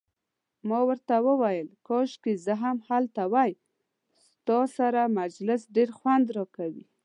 ما ورته وویل: کاشکي زه هم هلته وای، ستا سره مجلس ډیر خوند راکوي.